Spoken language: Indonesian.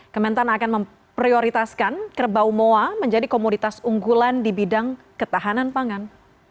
kementan akan memprioritaskan kerbau moa menjadi komoditas unggulan di bidang ketahanan pangan